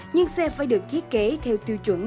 nhưng xe phải được ký kế theo tiêu chuẩn